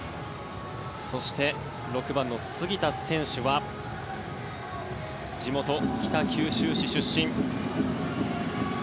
そして、６番の杉田選手は地元・北九州市出身。